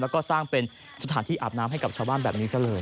แล้วก็สร้างเป็นสถานที่อาบน้ำให้กับชาวบ้านแบบนี้ซะเลย